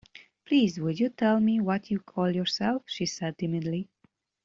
‘Please, would you tell me what you call yourself?’ she said timidly.